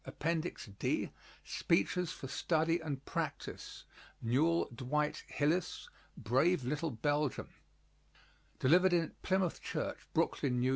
] APPENDIX D SPEECHES FOR STUDY AND PRACTISE NEWELL DWIGHT HILLIS BRAVE LITTLE BELGIUM Delivered in Plymouth Church, Brooklyn, N.Y.